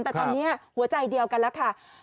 แต่ตอนนี้หัวใจเดียวกันแล้วค่ะ